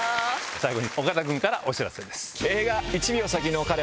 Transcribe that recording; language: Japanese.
最後に岡田君からお知らせです。